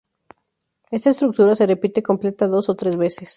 Esta estructura se repite completa dos o tres veces.